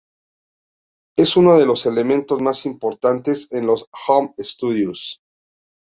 Es uno de los elementos más importantes en los "home studio".